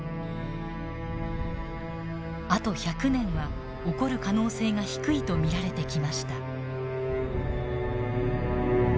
あと１００年は起こる可能性が低いと見られてきました。